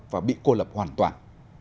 và bị cô lập hoàn toàn